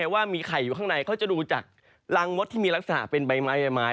ว่ามีไข่อยู่ข้างในเขาจะดูจากรังมดที่มีลักษณะเป็นใบไม้ใบไม้